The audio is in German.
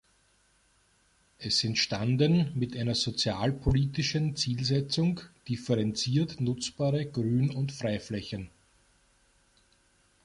Es entstanden mit einer sozialpolitischen Zielsetzung differenziert nutzbare Grün- und Freiflächen.